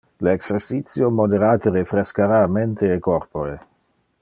Le exercitio moderate refrescara mente e corpore.